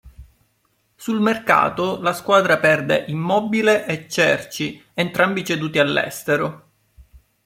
Sul mercato la squadra perde Immobile e Cerci, entrambi ceduti all'estero.